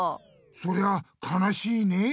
そりゃかなしいねえ。